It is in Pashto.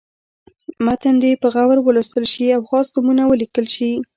متن دې په غور ولوستل شي او خاص نومونه ولیکل شي.